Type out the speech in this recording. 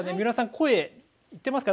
声いってますか？